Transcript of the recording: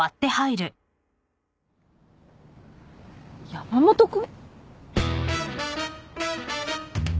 山本君？